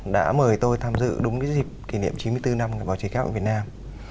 đã mời tôi tham dự đúng dịp kỷ niệm chín mươi bốn năm báo chí khác ở việt nam